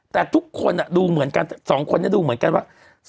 แต่ทุกคนดูเหมือนกัน๒คนนี้ดูเหมือนกันว่า